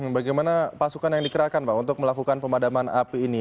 bagaimana pasukan yang dikerahkan pak untuk melakukan pemadaman api ini